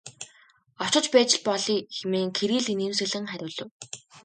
Очиж байж л болъё хэмээн Кирилл инээмсэглэн хариулав.